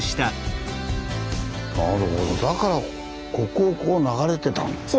なるほどだからここをこう流れてたんですね。